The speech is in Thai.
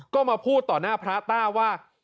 ก็มาพูดต่อหน้าพระต้าว่า